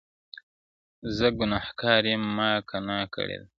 زه گنهـكار يــم مــــا گـنــاه كــــــړېــــــده,